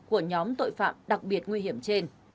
của nhóm tội phạm đặc biệt nguy hiểm trên